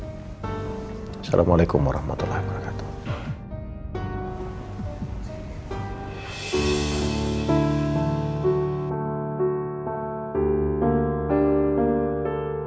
assalamualaikum warahmatullahi wabarakatuh